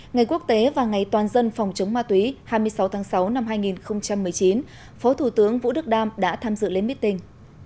ngày quốc tế và ngày toàn dân phòng chống ma túy hai mươi sáu tháng sáu năm hai nghìn một mươi chín phó thủ tướng vũ đức đam đã tham dự lễ meeting